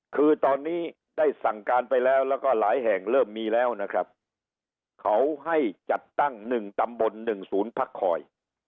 คือตอนนี้ได้สั่งการไปแล้วแล้วก็หลายแห่งเริ่มมีแล้วนะครับเขาให้จัดตั้ง๑ตำบล๑ศูนย์พักคอย